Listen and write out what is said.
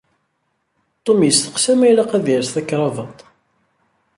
Tom yesteqsa ma ilaq ad yers takṛabaḍt.